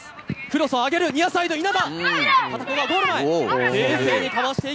クロスを上げるニアサイド、稲田。